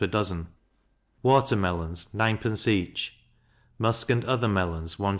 per dozen; water melons 9d. each; musk and other melons 1s.